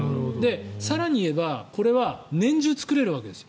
更に言えば、これは年中作れるわけです。